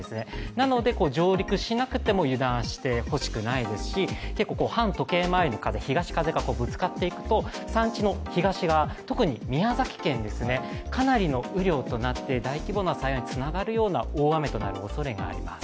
なので上陸しなくても油断してほしくないですし反時計回りの風、東の風がぶつかっていくと、山地の東側、特に宮崎県ですね、かなりの雨量となって大規模な災害につながるような大雨となるおそれがあります。